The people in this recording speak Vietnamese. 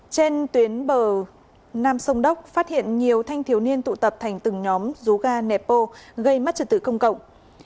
trên tuyến bờ nam sông đốc phát hiện nhiều thanh thiếu niên tụ tập thành từng nhóm rú ga nẹp bô gây mất trật tự công cộng